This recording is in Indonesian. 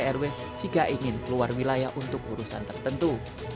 selain itu juga ada yang memiliki surat izin keluar wilayah untuk urusan tertentu